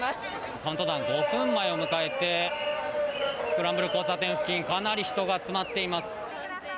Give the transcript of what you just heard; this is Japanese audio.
カウントダウン５分前を迎えてスクランブル交差点付近かなり人が集まっています。